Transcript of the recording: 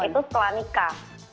itu setelah nikah